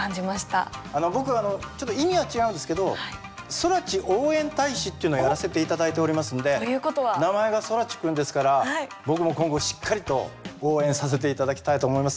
僕ちょっと意味は違うんですけど「そらち応援大使」っていうのをやらせて頂いておりますんで名前が空知くんですから僕も今後しっかりと応援させて頂きたいと思います。